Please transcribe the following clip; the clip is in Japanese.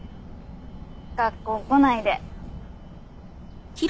学校来ないで。